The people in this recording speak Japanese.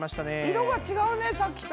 色が違うねさっきと。